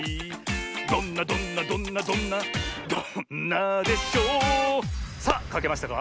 どんなどんなどんなどんなどんなでしょさあかけましたか？